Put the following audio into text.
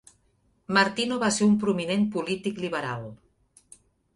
Martino va ser un prominent polític liberal.